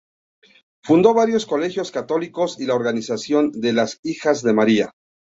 Fundó varios colegios católicos y la organización de las Hijas de María.